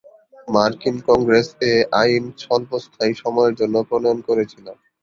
মার্কিন কংগ্রেস এ আইন স্বল্পস্থায়ী সময়ের জন্য প্রণয়ন করেছিল।